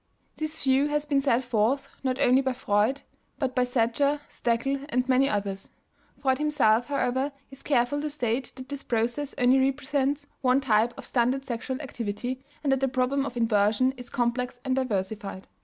This view has been set forth not only by Freud but by Sadger, Stekel, and many others. Freud himself, however, is careful to state that this process only represents one type of stunted sexual activity, and that the problem of inversion is complex and diversified.